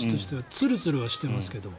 つるつるはしていますけど。